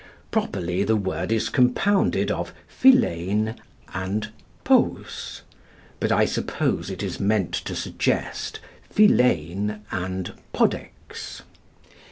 Properly the word is compounded of φιλεἱν and πους; but I suppose it is meant to suggest φιλεἱν and podex.